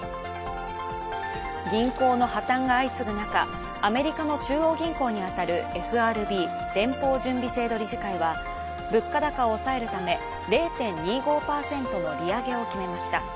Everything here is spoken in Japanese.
銀行の破綻が相次ぐ中アメリカの中央銀行に当たるＦＲＢ＝連邦準備制度理事会は物価高を抑えるため０．２５％の利上げを決めました。